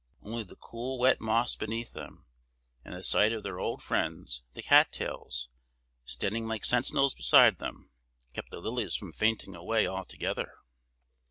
Only the cool, wet moss beneath them, and the sight of their old friends, the cat tails, standing like sentinels beside them, kept the lilies from fainting away altogether.